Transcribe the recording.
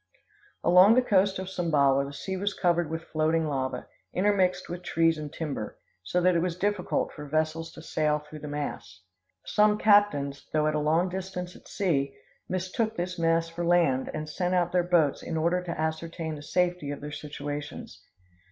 "Along the coast of Sumbawa the sea was covered with floating lava, intermixed with trees and timber, so that it was difficult for vessels to sail through the mass. Some captains, though at a long distance at sea, mistook this mass for land, and sent out their boats in order to ascertain the safety of their situations.